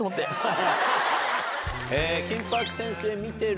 「『金八先生』見てる？」